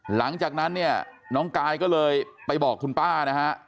หลังจากนั้นเนี่ยน้องกายก็เลยไปบอกคุณป้านะฮะ